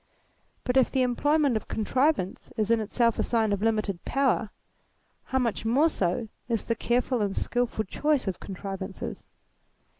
But if the employment of contrivance is in itself a sign of limited power, how much more so is the careful and skilful choice of contrivances?